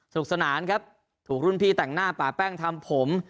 สนานครับถูกรุ่นพี่แต่งหน้าป่าแป้งทำผม